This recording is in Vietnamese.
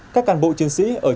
các cán bộ chiến sĩ ở chiến trường